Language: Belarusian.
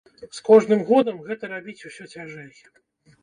З кожным годам гэта рабіць усё цяжэй.